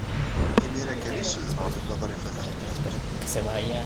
Imir-a kan ay ssudneɣ Lalla Ḍrifa Taxlifawt.